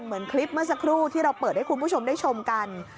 เหมือนคลิปเมื่อสักครู่ที่เราเปิดให้คุณผู้ชมได้ชมกัน